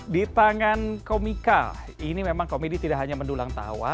di tangan komika ini memang komedi tidak hanya mendulang tawa